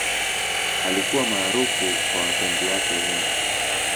Alikuwa maarufu kwa wapenzi wake wengi.